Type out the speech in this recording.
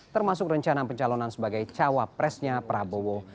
termasuk rencana pencalonan sebagai cawapresnya prabowo